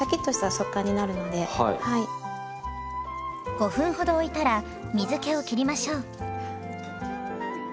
５分ほどおいたら水けをきりましょう。